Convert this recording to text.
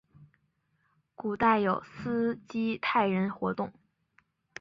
古代有斯基泰人活动。